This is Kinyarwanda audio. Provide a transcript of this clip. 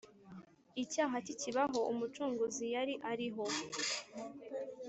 . Icyaha kikibaho, Umucunguzi yari ariho.